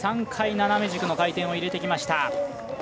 ３回斜め軸の回転を入れてきました。